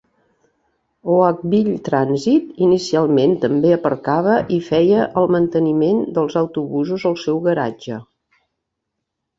Oakville Transit inicialment també aparcava i feia el manteniment dels autobusos al seu garatge.